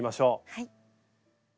はい。